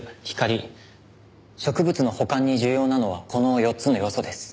植物の保管に重要なのはこの４つの要素です。